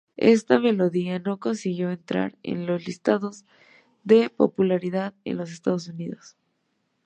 Esta melodía no consiguió entrar en los listados de popularidad en los Estados Unidos.